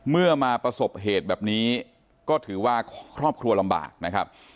มาประสบเหตุแบบนี้ก็ถือว่าครอบครัวลำบากนะครับ